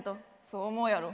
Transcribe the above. そう思うやろ？